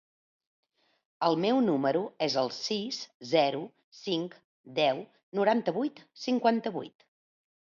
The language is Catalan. El meu número es el sis, zero, cinc, deu, noranta-vuit, cinquanta-vuit.